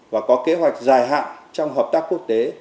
và có kế hoạch dài hạn trong hợp tác quốc tế